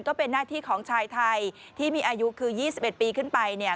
ก็เป็นหน้าที่ของชายไทยที่มีอายุคือ๒๑ปีขึ้นไปเนี่ย